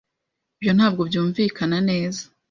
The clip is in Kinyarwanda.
Ibyo ntabwo byumvikana neza.